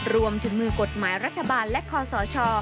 รวมถึงมือกฎหมายรัฐบาลและคอสช